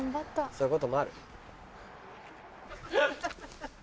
そういうこともある。